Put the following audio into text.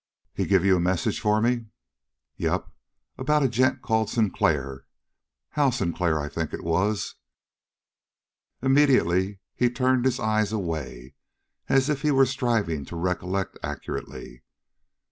"He give you a message for me?" "Yep, about a gent called Sinclair Hal Sinclair, I think it was." Immediately he turned his eyes away, as if he were striving to recollect accurately.